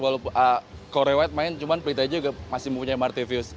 kalau rewet main cuma play tag juga masih mempunyai marty views